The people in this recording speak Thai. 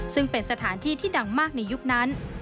ซึ่งเป็นสถานที่ที่ดังมากในยุคนั้น